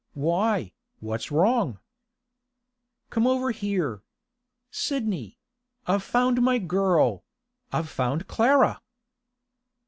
'Why, what's wrong?' 'Come over here. Sidney—I've found my girl—I've found Clara!